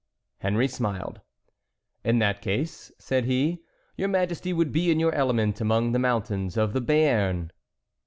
Henry smiled. "In that case," said he, "your Majesty would be in your element among the mountains of the Béarn."